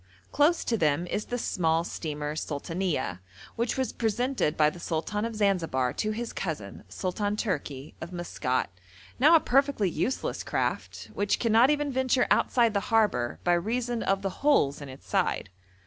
Close to them is the small steamer Sultanieh, which was presented by the Sultan of Zanzibar to his cousin Sultan Tourki of Maskat, now a perfectly useless craft, which cannot even venture outside the harbour by reason of the holes in its side.